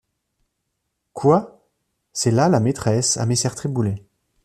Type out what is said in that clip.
Quoi! c’est là la maîtresse à messer Triboulet !